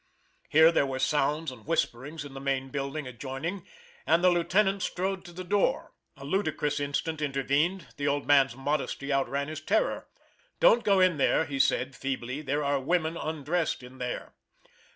Here there were sounds and whisperings in the main building adjoining, and the lieutenant strode to the door. A ludicrous instant intervened, the old man's modesty outran his terror. "Don't go in there," he said, feebly; "there are women undressed in there."